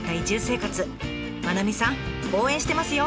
真七水さん応援してますよ！